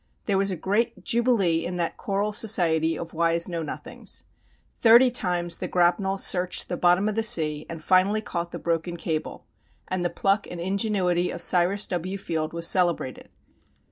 There was a great jubilee in that choral society of wise know nothings. Thirty times the grapnel searched the bottom of the sea and finally caught the broken cable, and the pluck and ingenuity of Cyrus W. Field was celebrated.